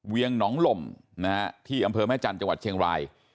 ียงหนองลมนะฮะที่อำเภอแม่จันทร์จังหวัดเชียงราย